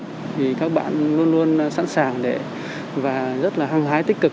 thì các bạn luôn luôn sẵn sàng để và rất là hăng hái tích cực